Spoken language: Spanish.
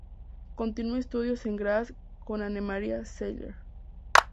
Continuó estudios en Graz con Annemarie Zeller.